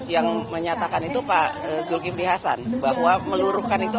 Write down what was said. yang menyatakan itu pak zulkifli hasan bahwa meluruhkan itu